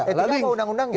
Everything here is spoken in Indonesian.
etika sama undang undang ya